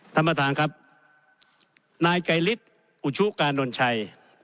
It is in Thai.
ท่านประธานครับนายไกรฤทธิ์อุชุกานนชัย